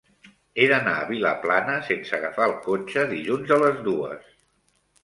He d'anar a Vilaplana sense agafar el cotxe dilluns a les dues.